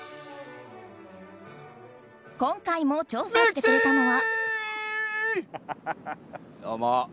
今回も調査してくれたのは。